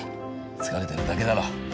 疲れてるだけだろ。